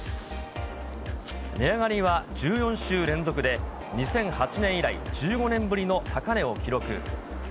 値上がりは１４週連続で、２００８年以来、１５年ぶりの高値を記録。